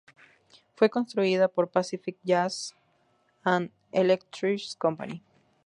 Fue construida por Pacific Gas and Electric Company.